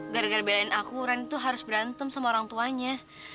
gara gara belain aku rani tuh harus berantem sama orang tuanya